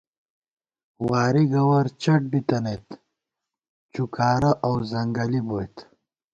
وارِی گوَر چَٹ بِتَنَئیت ، چُکارہ اؤ ځنگَلی بوئیت